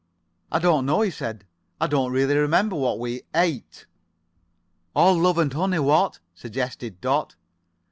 "I don't know," he said. "I don't really remember what we 8." "All love and honey, what?" suggested Dot.